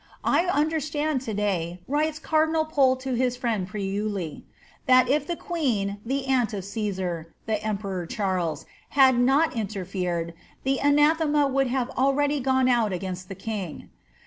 ^ 1 understand lo day,'" writes cardinal Pole to his friend Priuli, ^that if the queen, ibe aunt of Caesar (the emperor Ciiarles), had not interfered, the ana thema would have already gone out against the king.